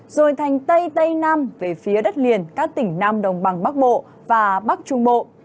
rồi thành tây tây nam về phía đất liền các tỉnh nam đồng bằng bắc bộ và bắc trung bộ